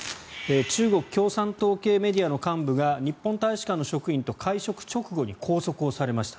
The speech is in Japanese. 中国共産党系メディアの幹部が日本大使館の職員と会食直後に拘束されました。